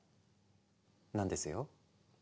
なんですよ。